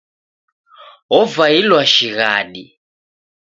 Wovailwa shighadi.